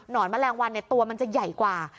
แมลงวันตัวมันจะใหญ่กว่า